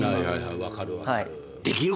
分かる分かる。